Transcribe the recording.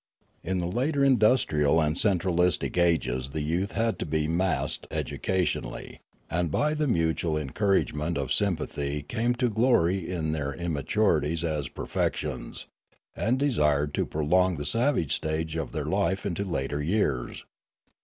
In the later in dustrial and central istic ages the youth had to be massed educationally, and by the mutual encourage ment of sympathy came to glory in their immaturities as perfections, and desired to prolong the savage stage of their life into later years.